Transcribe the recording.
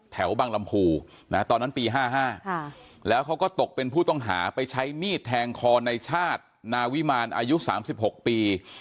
แถวบังลำพูตอนนั้นปี๕๕แล้วเขาก็ตกเป็นผู้ต้องหาไปใช้มีดแทงคอในชาตินาวิมารอายุ๓๖ปี